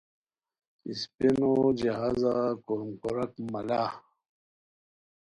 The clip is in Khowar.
سپینو جہازا کوروم کوراک (ملاح)